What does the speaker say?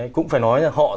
cũng phải nói là họ